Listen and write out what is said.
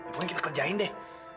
pokoknya kita kerjain deh